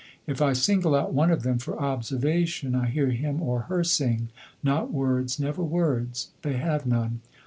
If I single out one of them for observation I hear him or her sing not words, never words; they have none.